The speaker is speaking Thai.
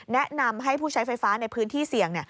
แนะนำให้ผู้ใช้ไฟฟ้าในพื้นที่เสี่ยง